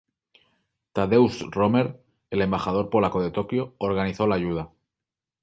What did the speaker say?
Tadeusz Romer, el embajador polaco en Tokyo, organizó la ayuda.